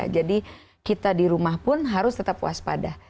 jadi kita di rumah pun harus tetap puas pada